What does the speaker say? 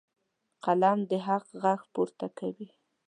قلم د حق غږ پورته کوي.